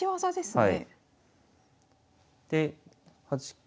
はい。